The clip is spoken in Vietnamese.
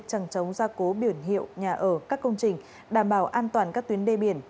chẳng chống gia cố biển hiệu nhà ở các công trình đảm bảo an toàn các tuyến đê biển